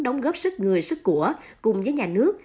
đóng góp sức người sức của cùng với nhà nước